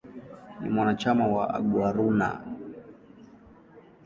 Ni mwanachama wa "Aguaruna".